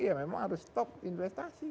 iya memang harus stop investasi